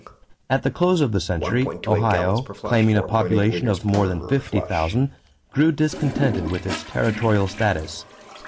At the close of the century, Ohio, claiming a population of more than 50,000, grew discontented with its territorial status.